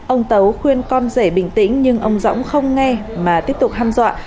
ông tấu khuyên con rể bình tĩnh nhưng ông dõng không nghe mà tiếp tục ham dọa